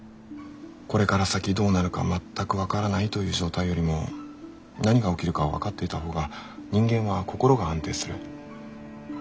これから先どうなるか全く分からないという状態よりも何が起きるかが分かっていた方が人間は心が安定する。